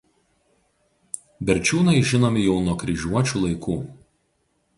Berčiūnai žinomi jau nuo kryžiuočių laikų.